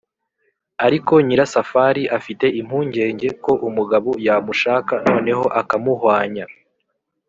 ariko nyirasafari afite impungenge ko umugabo yamushaka noneho akamuhwanya.